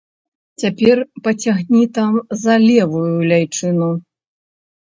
Цяпер пацягні там за левую ляйчыну.